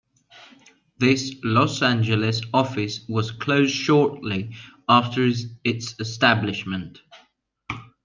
This Los Angeles office was closed shortly after its establishment.